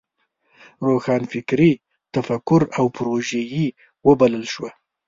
روښانفکري تکفیر او پروژيي وبلل شوه.